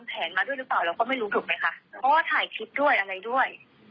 เพราะว่าถ่ายคลิปด้วยอะไรด้วย